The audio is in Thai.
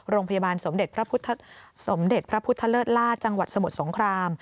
โรงพยาบาลสมเด็จพระพุทธเลิศลาดจังหวัดสมุทรสงคราม